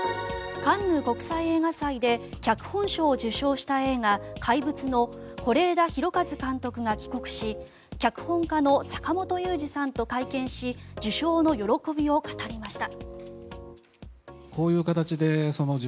カンヌ国際映画祭で脚本賞を受賞した映画「怪物」の是枝裕和監督が帰国し脚本家の坂元裕二さんと会見し受賞の喜びを語りました。